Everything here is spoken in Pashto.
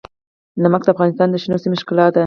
نمک د افغانستان د شنو سیمو ښکلا ده.